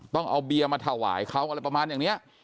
ต้องเอาเบียร์มาถวายเขาอะไรประมาณอย่างนี้